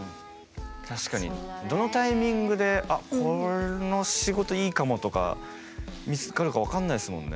確かにどのタイミングであっ、この仕事いいかもとか見つかるか分かんないすもんね。